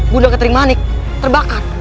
bunda trimanik terbakar